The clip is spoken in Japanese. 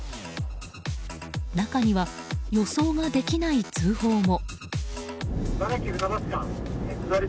中には予想ができない通報も。